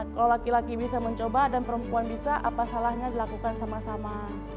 kalau laki laki bisa mencoba dan perempuan bisa apa salahnya dilakukan sama sama